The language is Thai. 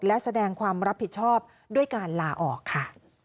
และแสดงความรับผิดชอบด้วยการลาออกค่ะ